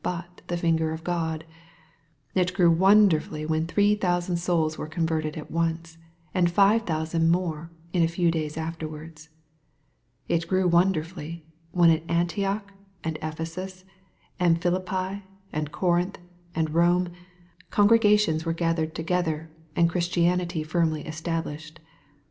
but the finger of God. It grew wonderfully when thieo thousand souls were converted at once, and five thousand more in a few days afterwards. It grew wonderfully, when at Antioch, and Ephesus, and Philippi, and Corinth, and Kome, congregations were gathered together, and Christianity firmly established.